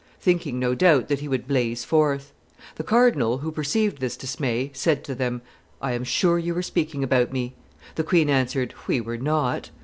thinking, no doubt, that he would blaze forth. The cardinal, who perceived this dismay, said to them, 'I am sure you were speaking about me.' The queen answered, 'We were not.